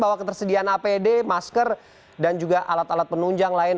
bahwa ketersediaan apd masker dan juga alat alat penunjang lain